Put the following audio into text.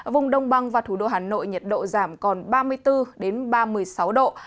vùng đông băng và thủ đô hà nội nhiệt độ giảm còn ba mươi bốn ba mươi sáu độ